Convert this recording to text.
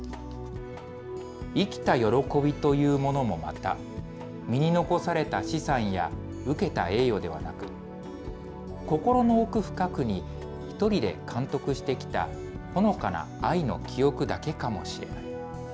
生きた喜びというものもまた、身に残された資産や受けた栄誉ではなく、心の奥深くに一人で感得してきたほのかな愛の記憶だけかもしれない。